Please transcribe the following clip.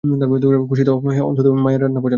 খুশি হ অন্তত সে তোর মায়ের মাছ রান্না পছন্দ করে।